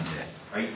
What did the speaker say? はい。